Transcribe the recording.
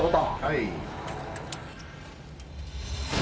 はい。